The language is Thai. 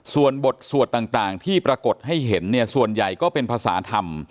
ส่วนบทสวดต่างที่ปรากฏให้เห็นเนี่ยส่วนใหญ่ก็เป็นภาษาธรรม